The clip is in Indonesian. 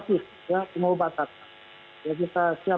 kita akan menjalankan penanganan dbd secara keseluruhan